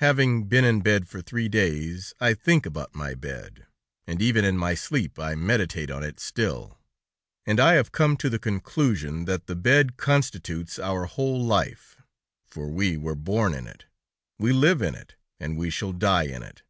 "Having been in bed for three days, I think about my bed, and even in my sleep I meditate on it still, and I have come to the conclusion that the bed constitutes our whole life; for we were born in it, we live in it, and we shall die in it.